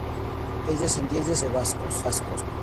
Es descendiente de vascos.